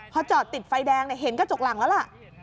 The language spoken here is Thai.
พอจอดติดไฟแดงเห็นกระจกหลังแล้วล่ะ